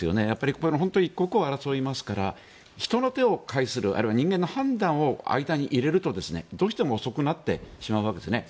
刻一刻を争いますから人の手を介するあるいは人間の判断を間に入れるとどうしても遅くなってしまうわけですね。